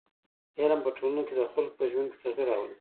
علم په ټولنه کي د خلکو په ژوند کي تغیر راولي.